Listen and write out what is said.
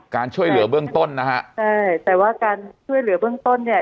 การช่วยเหลือเบื้องต้นนะฮะใช่แต่ว่าการช่วยเหลือเบื้องต้นเนี่ย